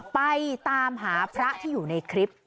ไปตามหาพระที่อยู่ในคลิป